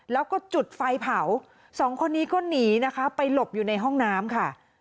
แล้วก็จุดไฟเผาสองคนนี้ก็หนีนะคะไปหลบอยู่ในห้องน้ำค่ะ